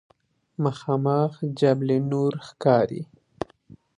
مخامخ جبل نور ښکاري.